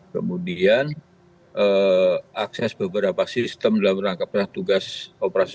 kemudian akses beberapa sistem dalam rangka tugas operasi